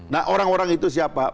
nah orang orang itu siapa